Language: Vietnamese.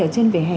ở trên vỉa hè